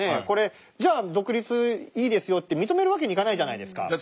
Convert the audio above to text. これじゃあ独立いいですよって認めるわけにいかないじゃないですか。